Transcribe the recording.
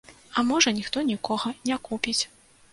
А можа, ніхто нікога не купіць.